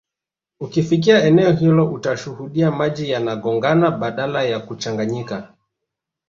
Ukifika eneo hilo utashuhudia maji yanagongana badala ya kuchanganyika